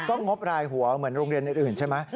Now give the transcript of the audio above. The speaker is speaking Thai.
ก็งบรายหัวเหมือนโรงเรียนอื่นใช่ไหม